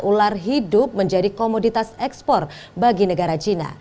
ular hidup menjadi komoditas ekspor bagi negara cina